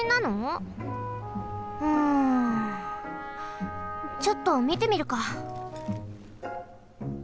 ちょっとみてみるか！